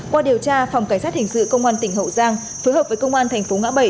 qua điều tra phòng cảnh sát hình sự công an tỉnh hậu giang phối hợp với công an thành phố ngã bảy